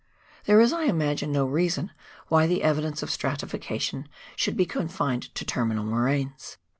There is, I imagine, no reason why the evidence of stratification should be confined to terminal moraines.